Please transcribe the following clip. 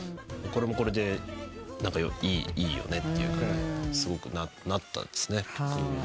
これもこれでいいよねって感じにすごくなったんですね。